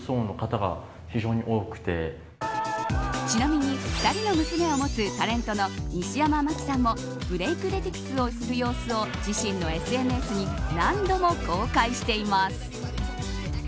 ちなみに、２人の娘を持つタレントの西山茉希さんもブレイクレティクスをする様子を自身のＳＮＳに何度も公開しています。